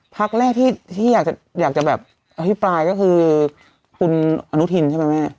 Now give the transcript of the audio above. พักแรกที่อยากจะแบบอภิปรายก็คือคุณอนุทินใช่ไหมแม่